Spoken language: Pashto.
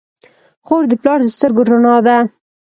خور د پلار د سترګو رڼا ده.